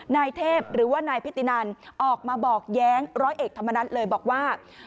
นายเทพหรือว่านายพิตินันออกมาบอกแย้งร้อยเอกธรรมนัฐเลยบอกว่า